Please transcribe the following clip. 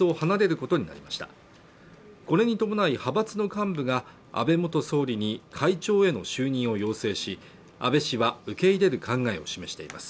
これに伴い派閥の幹部が安倍元総理に会長への就任を要請し安倍氏は受け入れる考えを示しています